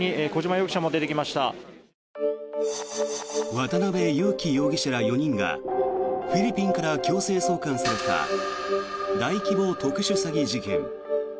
渡邉優樹容疑者ら４人がフィリピンから強制送還された大規模特殊詐欺事件。